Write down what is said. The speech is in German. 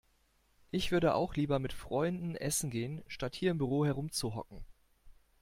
Ich würde auch lieber mit Freunden Essen gehen, statt hier im Büro herumzuhocken.